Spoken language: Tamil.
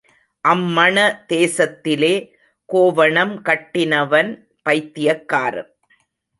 அம்மண தேசத்திலே கோவணம் கட்டினவன் பைத்தியக்காரன்.